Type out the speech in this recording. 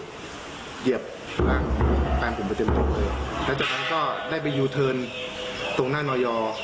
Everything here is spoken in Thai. เหยียบแฟนผมไปเต็มโต๊ะเลยแล้วจากนั้นก็ได้ไปยูเทิร์นตรงหน้านอยอร์